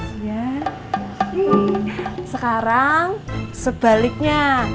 hii sekarang sebaliknya